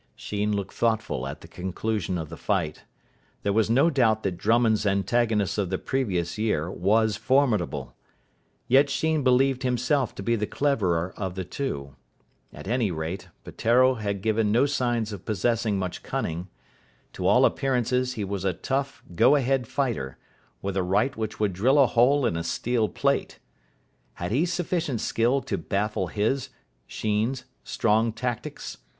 Sheen looked thoughtful at the conclusion of the fight. There was no doubt that Drummond's antagonist of the previous year was formidable. Yet Sheen believed himself to be the cleverer of the two. At any rate, Peteiro had given no signs of possessing much cunning. To all appearances he was a tough, go ahead fighter, with a right which would drill a hole in a steel plate. Had he sufficient skill to baffle his (Sheen's) strong tactics?